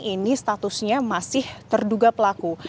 ini statusnya masih terduga pelaku